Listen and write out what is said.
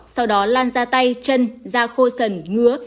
sau đó lan ra tay chân ra khô sần ngứa